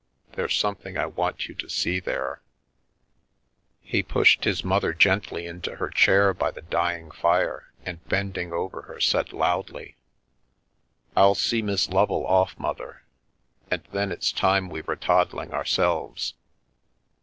There's something I want you to see there." 135 The Milky Way He pushed his mother gently into her chair by the dying fire, and bending over her said loudly :" I'll see Miss Lovel off, mother. And then it's time we were toddling ourselves.